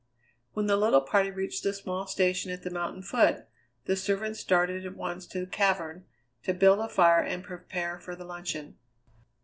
When the little party reached the small station at the mountain foot the servants started at once to the cavern to build a fire and prepare for the luncheon.